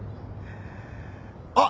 あっ！